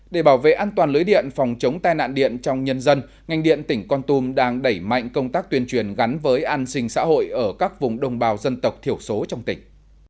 để bảo vệ an toàn lưới điện phòng chống tai nạn điện trong nhân dân ngành điện tỉnh con tum đang đẩy mạnh công tác tuyên truyền gắn với an sinh xã hội ở các vùng đồng bào dân tộc thiểu số trong tỉnh